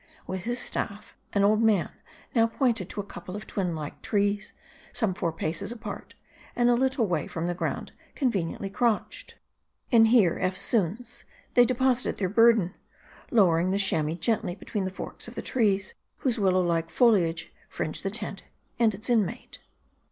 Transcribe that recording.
With his staff, an old man now pointed to a couple of twin like trees, some four paces apart ; and a little way from the ground conveniently crotched. And here, eftsoons, they deposited their burden ; lowering the Chamois gently between the forks of the trees ; whose willow like foliage fringed the tent and its inmate.